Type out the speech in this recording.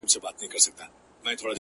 خير دی زما روح ته’ ته هم آب حيات ولېږه’